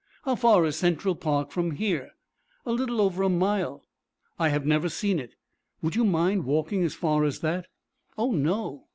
"How far is Central Park from here?" "A little over a mile." "I have never seen it. Would you mind walking as far as that?" "Oh, no."